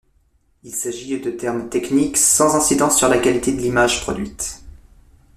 Il s’agit de termes techniques, sans incidence sur la qualité de l’image produite.